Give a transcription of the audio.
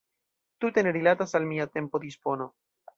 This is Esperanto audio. Tute ne rilatas al mia tempo-dispono.